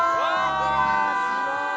きれい！